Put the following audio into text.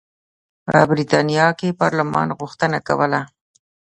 په برېټانیا کې پارلمان غوښتنه کوله.